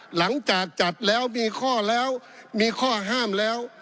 หลังจากจัดแล้วมีข้อแล้วมีข้อห้ามแล้ว